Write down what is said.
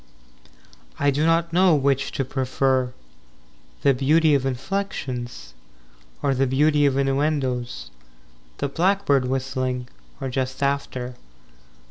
V I do not know which to prefer, The beauty of inflexions Or the beauty of innuendos, The blackbird whistling Or just after.